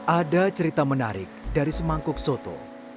ada cerita menarik dari semangkuk soto